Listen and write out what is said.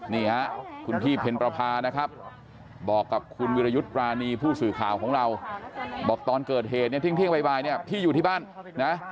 นี่ฮะคุณพี่เพ็ญประพานะครับบอกกับคุณวิรยุทธ์ปรานีผู้สื่อข่าวของเราบอกตอนเกิดเหตุเนี่ยเที่ยงบ่ายเนี่ยพี่อยู่ที่บ้านนะ